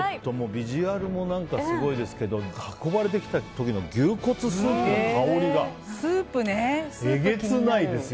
ビジュアルもすごいですけど運ばれてきた時の牛骨スープの香りがえげつないですよ